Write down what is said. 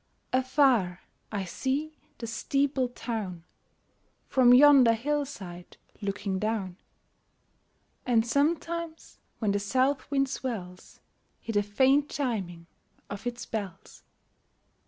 Afar, I see the steepled town From yonder hillside looking down ; And sometimes, when the south wind swells, Hear the faint chiming of its bells.